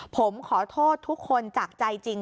ผมขอโทษทุกคนจากใจจริง